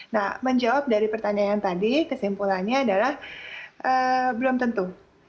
nah menjawab dari pertanyaan tadi kesimpulannya adalah belum tentu